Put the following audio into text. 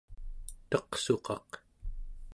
teqsuqaq